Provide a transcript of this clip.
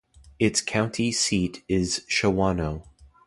Its county seat is Shawano.